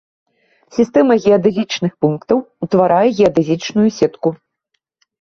Сістэма геадэзічных пунктаў утварае геадэзічную сетку.